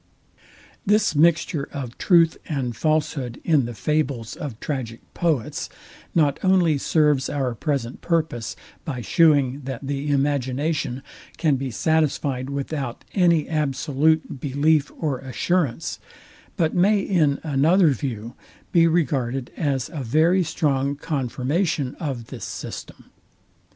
This mixture of truth and falshood in the fables of tragic poets not only serves our present purpose, by shewing, that the imagination can be satisfyed without any absolute belief or assurance; but may in another view be regarded as a very strong confirmation of this system.